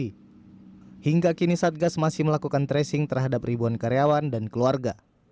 hingga kini satgas masih melakukan tracing terhadap ribuan karyawan dan keluarga